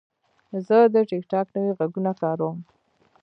زه د ټک ټاک نوي غږونه کاروم.